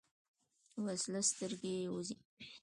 وسله سترګې وځي